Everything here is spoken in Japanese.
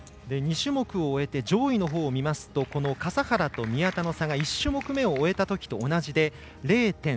２種目を終えて上位のほうを見ますと笠原と宮田の差が１種目めを終えたときと同じで０．３００。